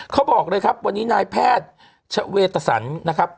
เขาบอกเลยครับวันนี้นายแพทย์ชะเวตสันนะครับ